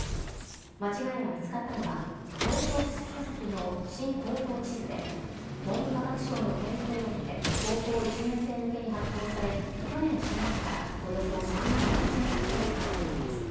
間違いが見つかったのは、東京書籍の新高等地図で、文部科学省の検定を経て、高校１年生向けに発行され、去年４月からおよそ３万６０００冊が使われています。